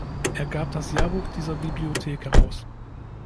Er gab das Jahrbuch dieser Bibliothek heraus.